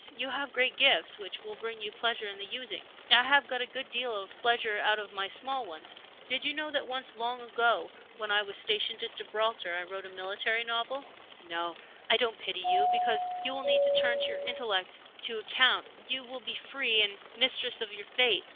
You have great gifts, which will bring you pleasure in the using. I have got a good deal of pleasure out of my small ones. Did you know that once, long ago, when I was stationed at Gibraltar, I wrote a military novel? "No, I don't pity you because you will need to turn your intellect to account. You will be free, and mistress of your fate.